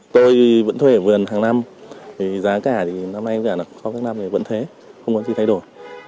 tôi vẫn thuê ở vườn hàng năm thì giá cả thì năm nay có các năm thì vẫn thế không có gì thay đổi